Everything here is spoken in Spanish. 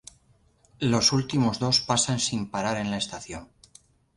Los últimos dos pasan sin parar en la estación.